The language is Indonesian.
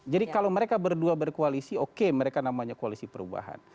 jadi kalau mereka berdua berkoalisi oke mereka namanya koalisi perubahan